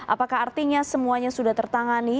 apakah artinya semuanya sudah tertangani